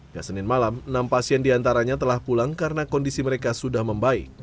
ya senin malam enam pasien diantaranya telah pulang karena kondisi mereka sudah membaik